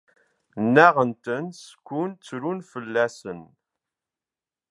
Nɣan-ten, sakin ttrun fell-asen.